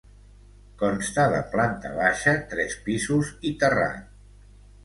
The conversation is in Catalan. Consta de planta baixa, tres pisos i terrat.